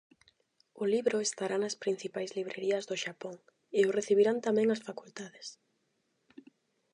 O libro estará nas principais librerías do Xapón, e o recibirán tamén as facultades.